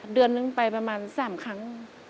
เดือนนึงไปประมาณ๓ครั้ง